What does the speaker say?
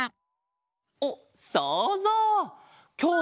おっそうぞう！